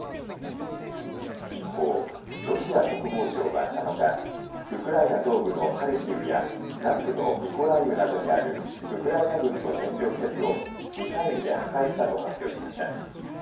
一方、ロシア国防省は７日、ウクライナ東部のハルキウや南部のミコライウなどにあるウクライナ軍の燃料施設を、ミサイルで破壊したと発表しました。